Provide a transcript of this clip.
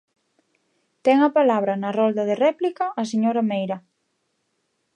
Ten a palabra na rolda de réplica a señora Meira.